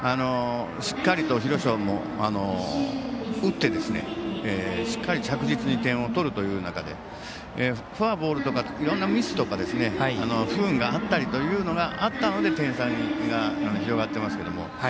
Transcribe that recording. しっかりと広商も打ってしっかり着実に点を取るという中でフォアボールとかいろんなミスとか不運があったりというのがあったので点差が広がってますけども。